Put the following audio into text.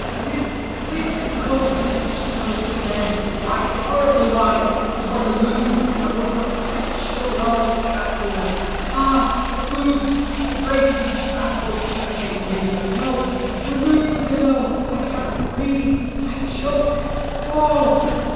It is it is. Cold, stiff, stirless as then. White horribly white as when the moon, that would not set, showed all its ghastliness. Ah! it moves, embraces me, stifles, suffocates me. Help! remove the pillow. I cannot breathe I choke oh!'